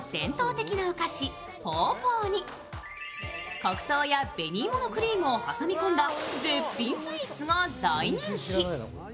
黒糖や紅芋のクリームを挟み込んだ絶品スイーツが大人気。